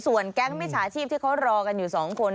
ส่วนแก๊งมิจฉาชีพที่เขารอกันอยู่๒คน